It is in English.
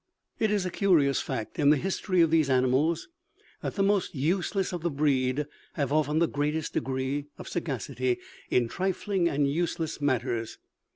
"It is a curious fact in the history of these animals, that the most useless of the breed have often the greatest degree of sagacity in trifling and useless matters.